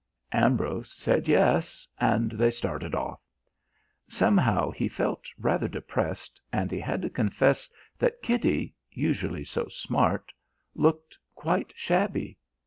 Ambrose said "yes" and they started off. Somehow he felt rather depressed and he had to confess that Kitty usually so smart looked quite shabby.